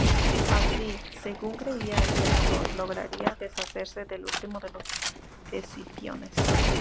Así, según creía el senador, lograría deshacerse del último de los Escipiones.